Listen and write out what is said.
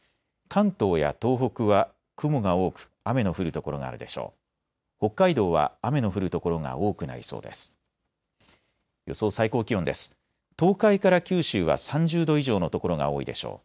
関東や東北は雲が多く雨の降る所があるでしょう。